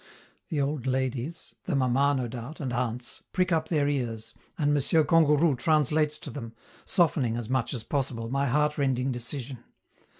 The old ladies (the mamma, no doubt, and aunts), prick up their ears, and M. Kangourou translates to them, softening as much as possible, my heartrending decision.